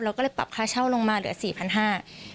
ก็เลยปรับค่าเช่าลงมาเหลือ๔๕๐๐บาท